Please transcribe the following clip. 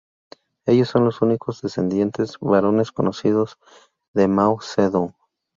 Ellos son los únicos descendientes varones conocidos de Mao Zedong.